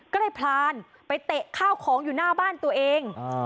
ก็เลยพลานไปเตะข้าวของอยู่หน้าบ้านตัวเอง